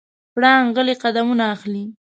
پړانګ غلی قدمونه اخلي.